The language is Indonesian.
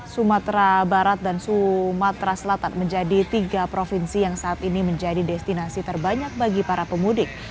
sumatera barat dan sumatera selatan menjadi tiga provinsi yang saat ini menjadi destinasi terbanyak bagi para pemudik